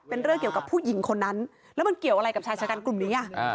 เป็นเรื่องเกี่ยวกับผู้หญิงคนนั้นแล้วมันเกี่ยวอะไรกับชายชะกันกลุ่มนี้